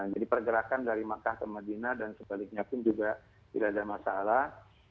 jadi pergerakan dari makkah ke madinah dan sebaliknya pun juga tidak ada masalah